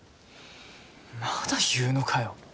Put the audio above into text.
まだ言うのかよ。